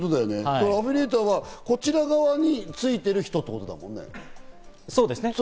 アフィリエイターはこちら側についてる人ってわけだよね。